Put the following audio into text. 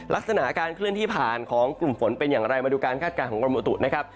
ลักษณะการเคลื่อนที่ผ่านของกลุ่มฝนเป็นอย่างไรมาดูการคาดการณ์ของกรมอุตุนะครับ